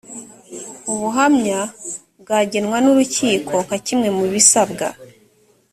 ubuhamya bwagenwa n’urukiko nka kimwe mu bisabwa